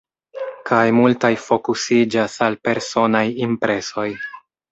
Kaj multaj fokusiĝas al personaj impresoj.